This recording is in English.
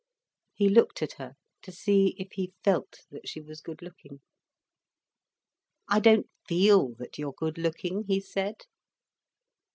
He looked at her, to see if he felt that she was good looking. "I don't feel that you're good looking," he said.